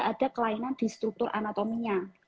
ada kelainan di struktur anatominya